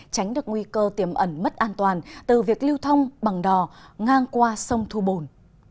tránh được nguy cơ tiềm ẩn mất an toàn từ việc lưu thông bằng đò ngang qua sông thu bồn